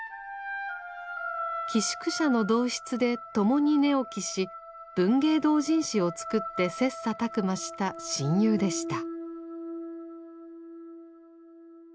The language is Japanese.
寄宿舎の同室で共に寝起きし文芸同人誌を作って切磋琢磨した親友でした。